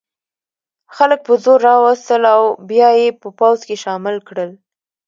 خلک په زور را وستل او بیا یې په پوځ کې شامل کړل.